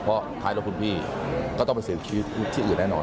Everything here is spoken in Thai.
เพราะท้ายรถคุณพี่ก็ต้องไปเสียชีวิตที่อื่นแน่นอน